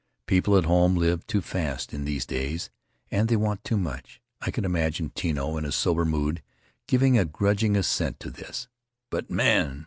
People at home live too fast in these days, and they want too much. I could imagine Tino, in a sober mood, giving a grudging assent to this. "But, man!"